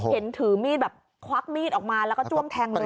ถือมีดแบบควักมีดออกมาแล้วก็จ้วงแทงเลย